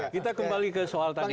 kita kembali ke soal tadi